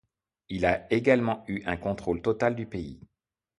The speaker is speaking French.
Il a également eu un contrôle total du pays.